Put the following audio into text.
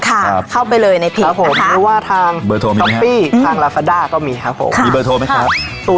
ค่ะครับครับผมไม่ว่าทางช็อปปี้ทางราฟาด้าก็มีครับผมมีเบอร์โทรไหมครับ